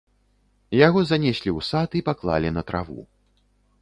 Яго занеслі ў сад і паклалі на траву.